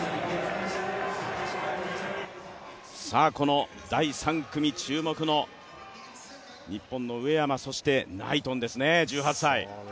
この第３組、注目の日本の上山、そしてナイトンですね、１８歳。